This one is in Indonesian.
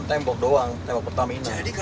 orang pernah ngomong kayak gitu